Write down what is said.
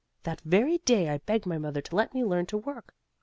That very day I begged my mother to let me learn to work.